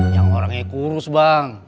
yang orangnya kurus bang